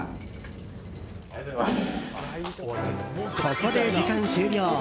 ここで時間終了。